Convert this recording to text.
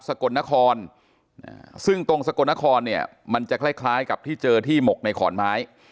กลนครซึ่งตรงสกลนครเนี่ยมันจะคล้ายคล้ายกับที่เจอที่หมกในขอนไม้